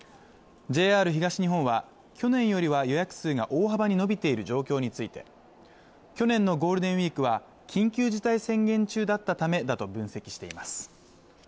ＪＲ東日本は、去年よりは予約数が大幅に伸びている状況について去年のゴールデンウイークは、緊急事態宣言中だったためと分析しています。